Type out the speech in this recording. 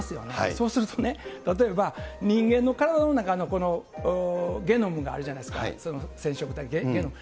そうするとね、例えば人間の体の中のこのゲノムがあるじゃないですか、染色体、ゲノム。